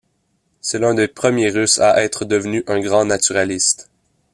C'est l'un des premiers Russes à être devenu un grand naturaliste.